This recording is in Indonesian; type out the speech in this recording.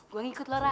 gua ngikut lora